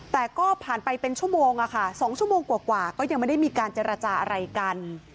แต่ก็ผ่านไปเป็นชั่วโมงค่ะ๒ชั่วโมงกว่าก็ยังไม่ได้มีการเจรจาอะไรกัน